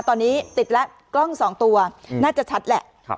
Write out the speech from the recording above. ตอนนี้ติดแล้วกล้อง๒ตัวน่าจะชัดแหละ